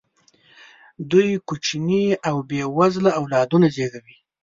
دوی کوچني او بې وزله اولادونه زېږول.